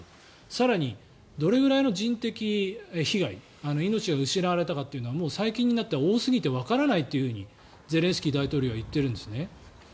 更に、どれくらいの人的被害命が失われたかというのはもう最近になっては多すぎてわからないとゼレンスキー大統領は言っているんですね。